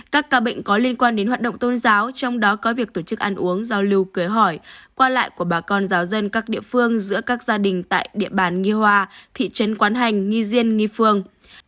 các ca bệnh có liên quan đến hoạt động tôn giáo trong đó có việc tổ chức ăn uống giao lưu cưới hỏi qua lại của bà con giáo dân các địa phương giữa các gia đình tại địa bàn nghi hoa thị trấn quán hành nghi diên nghi phương